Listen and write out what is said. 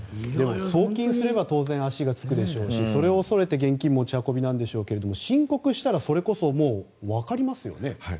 送金すれば当然、足がつくでしょうしそれを恐れ現金持ち運びなんでしょうけど申告したらそれこそわかりますよね。